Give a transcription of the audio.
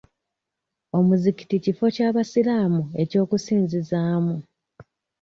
Omuzikiti kifo ky'abayisiraamu eky'okusinzizzaamu.